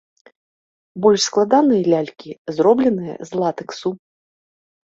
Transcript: Больш складаныя лялькі зробленыя з латэксу.